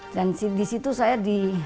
dan di situ saya di